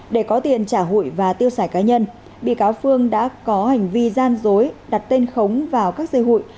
để có tiền trả hụi và tiêu xài cá nhân bị cáo phương đã có hành vi gian dối đặt tên khống vào các dây hụi